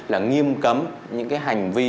là nghiêm cấm những cái hành vi